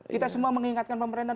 kita semua mengingatkan pemerintahan